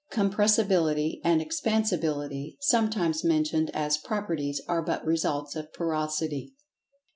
Compressibility and Expansibility, sometimes mentioned as "properties," are but results of Porosity.